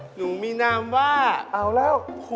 หนุ่มิกใช่ไหมลูก